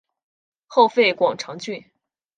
后废广长郡。